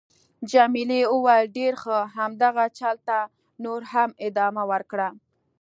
جميلې وويل:: ډېر ښه. همدغه چل ته نور هم ادامه ورکړه.